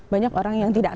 banyak orang yang tidak